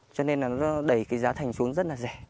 cho nên là nó đẩy cái giá thành xuống rất là rẻ